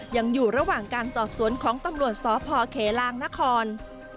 ยังอยู่ระหว่างการสอบสวนของตำรวจสพเขลางนคร